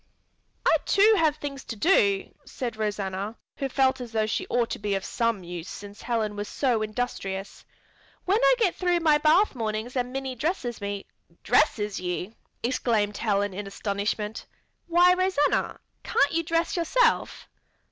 "I too have things to do," said Rosanna, who felt as though she ought to be of some use since Helen was so industrious. "When I get through with my bath mornings Minnie dresses me " "Dresses you?" exclaimed Helen in astonishment. "Why, Rosanna, can't you dress yourself?"